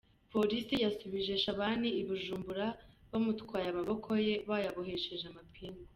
Polisi yasubije Shabani i Bujumbura, bamutwaye amaboko ye bayabohesheje amapingu.